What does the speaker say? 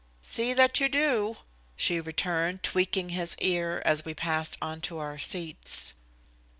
"See that you do," she returned, tweaking his ear as we passed on to our seats.